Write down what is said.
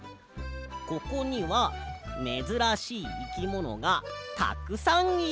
ここにはめずらしいいきものがたくさんいるんだぜ！